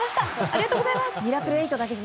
ありがとうございます。